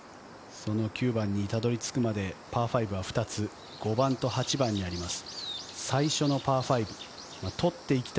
その９番にたどり着くまでパー５は２つ、５番と８番にあります、最初のパー５。